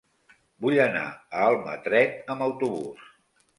Vull anar a Almatret amb autobús.